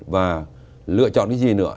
và lựa chọn cái gì nữa